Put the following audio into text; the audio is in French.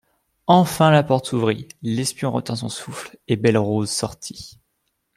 Enfin la porte s'ouvrit, l'espion retint son souffle, et Belle-Rose sortit.